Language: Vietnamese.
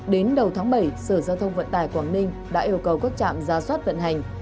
đến đầu tháng bảy sở giao thông vận tải quảng ninh đã yêu cầu các trạm ra soát vận hành